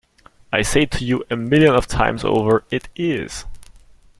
I say to you, a million of times over, it is.